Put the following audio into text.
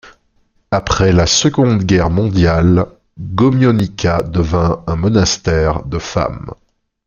Après la Seconde Guerre mondiale, Gomionica devint un monastère de femmes.